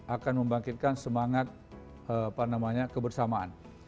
akan membangkitkan semangat kebersamaan